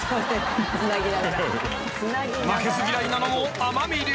［負けず嫌いなのも天海流］